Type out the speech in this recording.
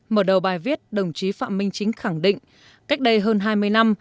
mở đầu bài viết đồng chí phạm minh chính khẳng định cách đây hơn hai mươi năm